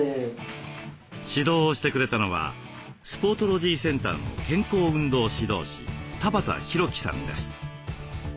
指導をしてくれたのはスポートロジーセンターの健康運動指導士田端宏樹さんです。